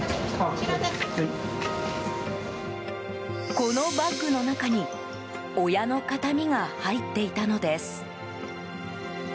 このバッグの中に親の形見が入っていたのです。